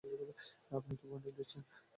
আপনি তো বান্ডিল দিচ্ছেন।